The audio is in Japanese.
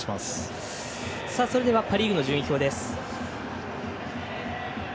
それではパ・リーグの順位表です。